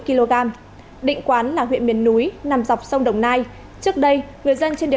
kg định quán là huyện miền núi nằm dọc sông đồng nai trước đây người dân trên địa